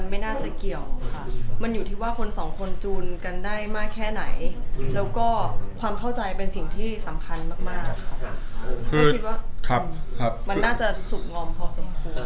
มันอยู่ที่ว่าคนสองคนจูนกันได้มากแค่ไหนแล้วก็ความเข้าใจเป็นสิ่งที่สำคัญมากคิดว่ามันน่าจะสุดงอมพอสมควร